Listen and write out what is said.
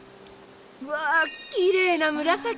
わあきれいな紫！